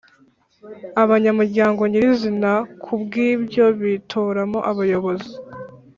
abanyamuryango nyirizina kubw ibyo bitoramo abayobozi